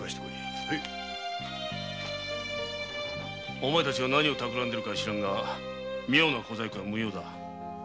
お前たちが何をたくらんでいるか知らんが妙な小細工は無用だ。